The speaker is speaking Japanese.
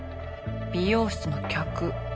美容室の客。